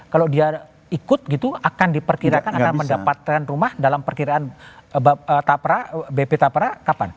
kalau dia ikut gitu akan diperkirakan akan mendapatkan rumah dalam perkiraan bp tapra kapan